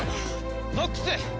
ゾックス！